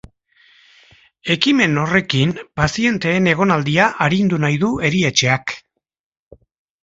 Ekimen horrekin pazienteen egonaldia arindu nahi du erietxeak.